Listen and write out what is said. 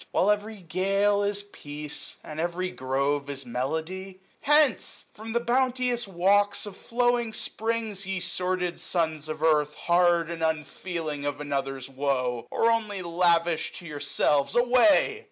While every gale is peace, and every grove 870 Is melody ? Hence ! from the bounteous walks Of flowing Spring, ye sordid sons of earth. Hard, and unfeeling of another's woe j Or only lavish to yourselves ; away